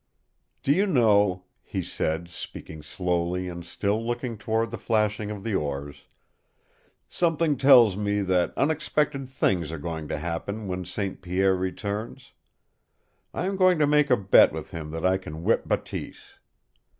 "Do you know," he said, speaking slowly and still looking toward the flashing of the oars, "something tells me that unexpected things are going to happen when St. Pierre returns. I am going to make a bet with him that I can whip Bateese.